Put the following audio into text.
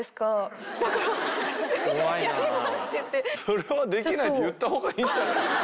それはできないって言った方がいいんじゃない？